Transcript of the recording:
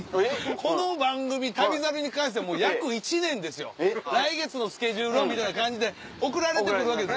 この番組『旅猿』に関してはもう約１年ですよ来月のスケジュールみたいな感じで送られてくるわけです。